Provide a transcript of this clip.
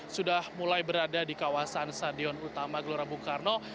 sudah mulai berada di kawasan stadion utama gelora bung karno